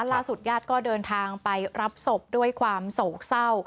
ญาติก็เดินทางไปรับศพด้วยความโศกเศร้า